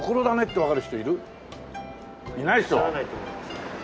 わからないと思います。